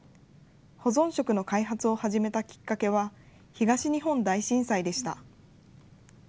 保存食の開発を始めたきっかけは、東日本大震災でした。